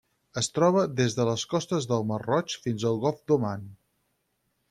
Es troba des de les costes del Mar Roig fins al Golf d'Oman.